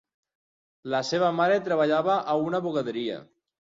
La seva mare treballava a una bugaderia.